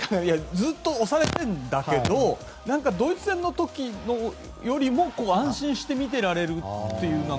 ずっと押されてるんだけどドイツ戦の時よりも安心して見ていられるという。